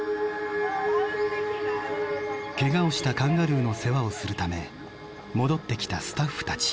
ケガをしたカンガルーの世話をするため戻ってきたスタッフたち。